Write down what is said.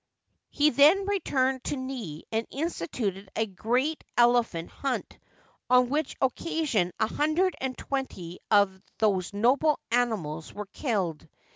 He then returned to NET and instituted a great ele phant hunt, on which occasion a hundred and twenty of these noble animals were killed.